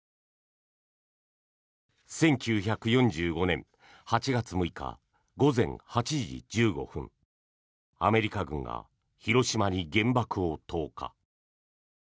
１９４５年８月６日午前８時１５分アメリカ軍が広島に原爆を投下。